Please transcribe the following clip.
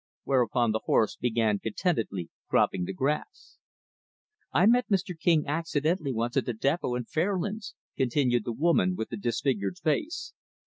Whereupon the horse began contentedly cropping the grass. "I met Mr. King, accidentally, once, at the depot in Fairlands," continued the woman with the disfigured face.